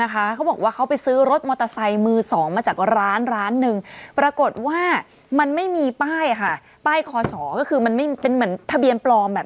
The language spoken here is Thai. ก็คิดดูดี่อน